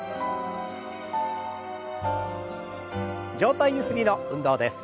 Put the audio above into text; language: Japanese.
上体ゆすりの運動です。